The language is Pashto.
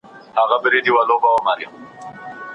لاجورد په هر ځای کي نه موندل کېږي.